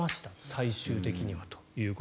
最終的にはと。